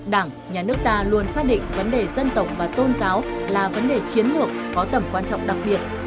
đảng nhà nước ta luôn xác định vấn đề dân tộc và tôn giáo là vấn đề chiến lược có tầm quan trọng đặc biệt